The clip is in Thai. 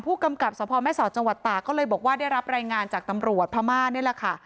กับสพแม่สอดจังหวัดตากก็เลยบอกว่าได้รับรายงานจากตำรวจพม่านี่แหละค่ะ